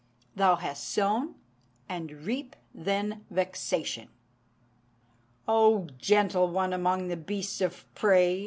Thou hast sown, and reap, then, vexation." "O gentle one among the beasts of prey!"